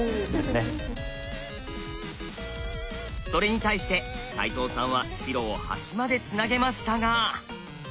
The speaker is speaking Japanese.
それに対して齋藤さんは白を端までつなげましたが。